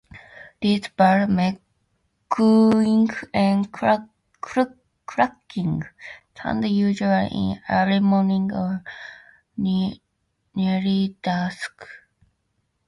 These birds make cooing and clucking sounds, usually in early morning or near dusk.